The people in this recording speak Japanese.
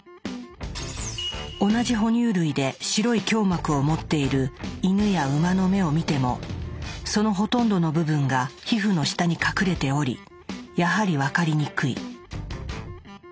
同じ哺乳類で白い強膜を持っているイヌやウマの目を見てもそのほとんどの部分が皮膚の下に隠れておりやはり分かりにくい。